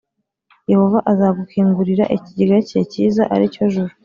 yehova azagukingurira ikigega cye cyiza, ari cyo juru,